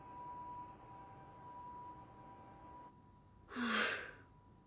はあ。